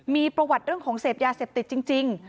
มีประวัติเรื่องของเสพยาเสพติดจริง